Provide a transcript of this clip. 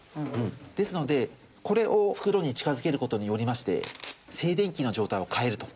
ですのでこれを袋に近づける事によりまして静電気の状態を変えると。